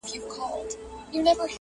په یوه جوال کي رېګ بل کي غنم وي٫